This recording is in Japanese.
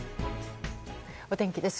お天気です。